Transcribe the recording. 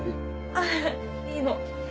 ああいいの。